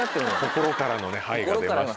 心からの「はい」が出ました。